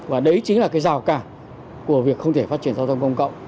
và đấy chính là cái rào cản của việc không thể phát triển giao thông công cộng